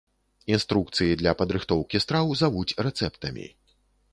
Інструкцыі для падрыхтоўкі страў завуць рэцэптамі.